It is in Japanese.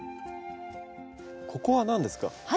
ここは何ですか？